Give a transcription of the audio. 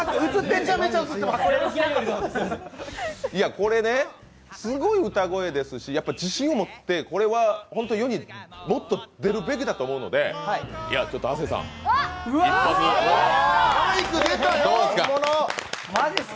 これね、すごい歌声ですし、自信を持ってこれはホント、世にもっと出るべきだと思うので、亜生さん、一発どうですか？